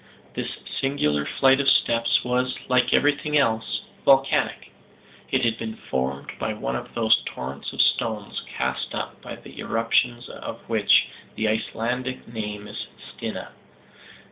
This singular flight of stairs was, like everything else, volcanic. It had been formed by one of those torrents of stones cast up by the eruptions, and of which the Icelandic name is stina.